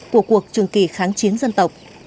của cuộc trường kỳ kháng chiến dân tộc